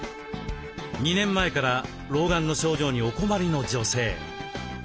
２年前から老眼の症状にお困りの女性。